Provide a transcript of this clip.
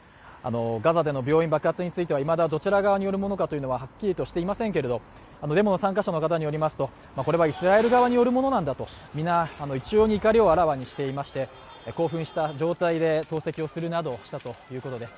ガザでの病院爆発についてはいまだどちら側によるものなのかはっきりとしていませんけれどもデモの参加者の方によりますと、これはイスラエル側によるものなのだと皆、一様に怒りをあらわにしていまして、興奮した状態で投石をするなどしたということです。